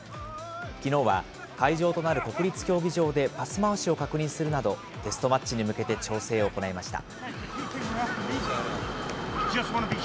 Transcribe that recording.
きのうは会場となる国立競技場でパス回しを確認するなど、テストマッチに向けて調整を行いました。